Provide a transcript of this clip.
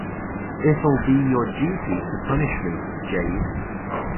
It’ll be your duty to punish me, Jade.